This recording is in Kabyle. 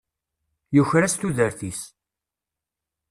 Yuker-as tudert-is.